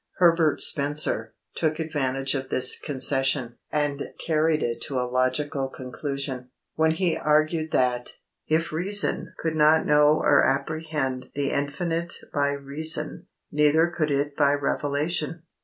Herbert Spencer took advantage of this concession, and carried it to a logical conclusion, when he argued that, if reason could not know or apprehend the Infinite by reason, neither could it by revelation.